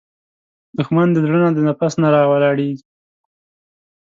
دښمن د زړه نه، د نفس نه راولاړیږي